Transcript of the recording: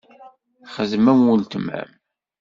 Xdem am uletma-m.